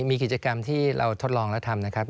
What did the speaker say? มีกิจกรรมที่เราทดลองและทำนะครับ